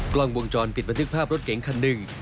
กล้องวงจรปิดบันทึกภาพรถเก๋งคันหนึ่ง